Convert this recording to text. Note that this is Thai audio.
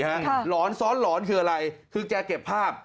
หลอนซ้อนหลอนคืออะไรคือแกเก็บภาพ